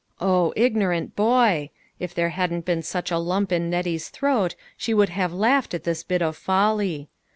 O, ignorant boy! If there hadn't been such a lump in Nettie's throat, she would have laughed at this bit of folly.